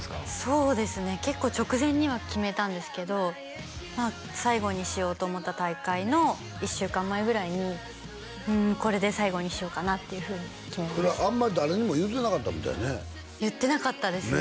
そうですね結構直前には決めたんですけどまあ最後にしようと思った大会の１週間前ぐらいにこれで最後にしようかなっていうふうに決めましたそれをあんまり誰にも言うてなかったみたいやね言ってなかったですね